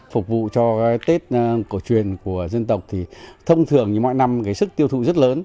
phục vụ cho tết cổ truyền của dân tộc thì thông thường như mọi năm cái sức tiêu thụ rất lớn